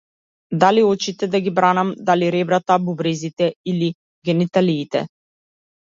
Дали очите да ги бранам, дали ребрата, бубрезите или гениталиите?